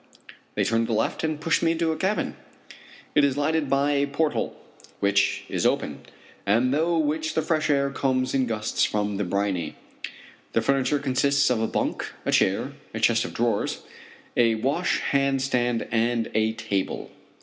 They turn to the left and push me into a cabin. It is lighted by a port hole, which is open, and through which the fresh air comes in gusts from the briny. The furniture consists of a bunk, a chair, a chest of drawers, a wash hand stand and a table.